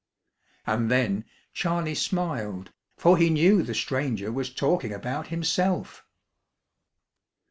And then Charley smiled, for he knew the stranger was talking about himself.